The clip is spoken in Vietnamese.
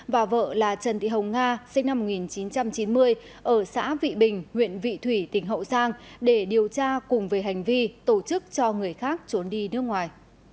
và vợ là trần thị hồng nga sinh năm một nghìn chín trăm chín mươi ở xã vị bình huyện vị thủy tỉnh hậu giang để điều tra cùng về hành vi tổ chức cho người khác trốn đi nước ngoài